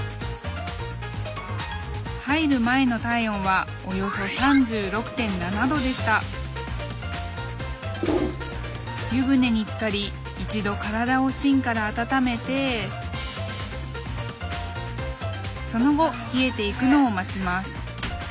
入る前の体温はおよそ３６．７℃でした湯船につかり一度体を芯から温めてその後冷えていくのを待ちます。